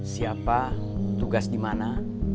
siapa tugas dimana